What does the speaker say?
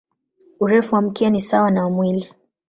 Urefu wa mkia ni sawa na mwili.